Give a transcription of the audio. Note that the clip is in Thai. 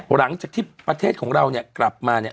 หลังจากที่ประเทศของเรากลับมา๑ตุลาคม